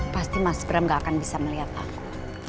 pasti mas bram gak akan bisa melihat aku